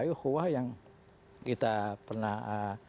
ukhwah yang kita pernah